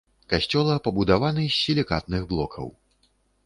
Касцёла пабудаваны з сілікатных блокаў.